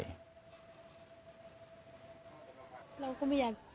จากนี้ไปก็คงจะต้องเข้มแข็งเป็นเสาหลักให้กับทุกคนในครอบครัว